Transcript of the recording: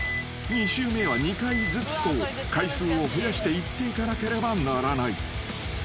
［２周目は２回ずつと回数を増やして言っていかなければならない］